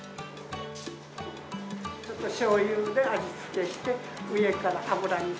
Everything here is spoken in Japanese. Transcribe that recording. ちょっとしょうゆで味付けして上から油みそを。